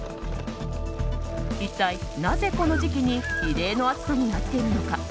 一体なぜ、この時期に異例の暑さになっているのか。